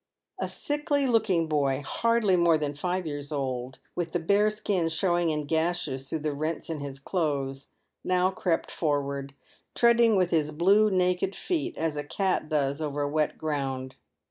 A sickly looking boy, hardly more than five years old, with the bare skin showing in gashes through the rents in his clothes, now crept forward, treading with his blue naked feet as a cat does over wet ground.